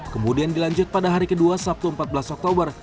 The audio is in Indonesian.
kemudian dilanjut pada hari kedua sabtu empat belas oktober